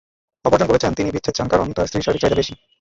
অপরজন বলেছেন, তিনি বিচ্ছেদ চান, কারণ তাঁর স্ত্রীর শারীরিক চাহিদা বেশি।